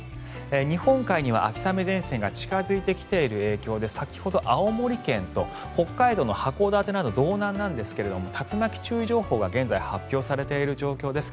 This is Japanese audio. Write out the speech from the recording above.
日本海には秋雨前線が近付いてきている影響で先ほど青森県と北海道の函館など道南なんですが、竜巻注意情報が現在、発表されている状況です。